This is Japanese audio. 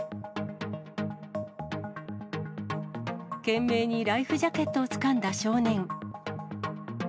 懸命にライフジャケットをつかんだ少年。